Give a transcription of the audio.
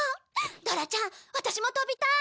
ドラちゃんワタシも飛びたい。